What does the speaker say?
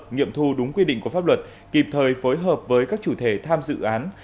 nghiệm thu đúng quy định của pháp luật kịp thời phối hợp với các chủ thể tham dự án